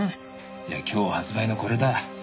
いや今日発売のこれだ。